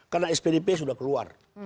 karena spdp sudah keluar